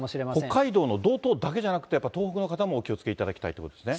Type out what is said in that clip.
北海道の道東だけじゃなくて、やっぱ東北の方もお気をつけいただきたいということですね。